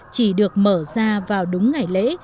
chỉ được mở ra vào đúng ngày lễ